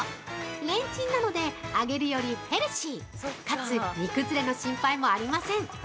レンチンなので、揚げるよりヘルシー！かつ煮崩れの心配もありません。